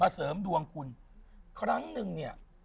เสริมดวงคุณครั้งนึงเนี่ย